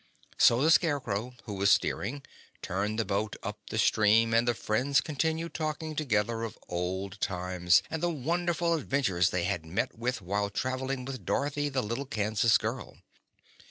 So the Scarecrow, who was steering, turned the boat up the stream and the friends continued talking together of old times and the wonderful adventures they had met with while traveling with Dorothy, the little Kansas girl.